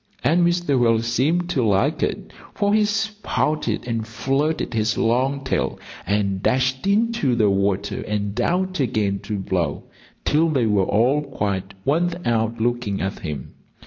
And Mr. Whale seemed to like it, for he spouted and flirted his long tail and dashed into the water and out again to blow, till they were all quite worn out looking at him.